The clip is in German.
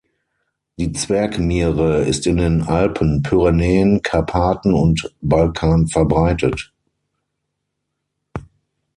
Die Zwerg-Miere ist in den Alpen, Pyrenäen, Karpaten und Balkan verbreitet.